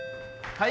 はい！